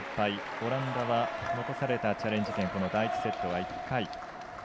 オランダは残されたチャレンジ権この第１セットは１回。